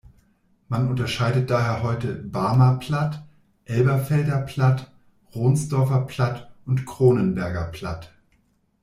Man unterscheidet daher heute "Barmer Platt", "Elberfelder Platt", "Ronsdorfer Platt" und "Cronenberger Platt".